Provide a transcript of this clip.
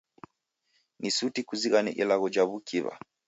Ni suti kuzighane ilagho ja w'ukiw'a.